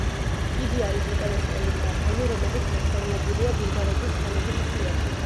იგი არის უკანასკნელი მმართველი, რომელიც მოხსენიებულია ბულგარეთის ხანების სიაში.